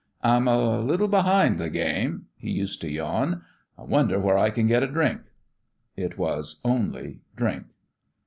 " I'm a little behind the game,' 1 he used to yawn. " I wonder where I can get a drink." It was only drink.